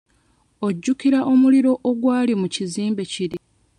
Ojjukira omuliro ogwali mu kizimbe kiri?